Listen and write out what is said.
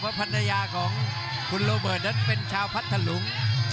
ภรรยาของคุณโรเบิร์ตนั้นเป็นชาวพัทธลุง